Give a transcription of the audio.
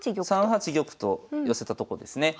３八玉と寄せたとこですね。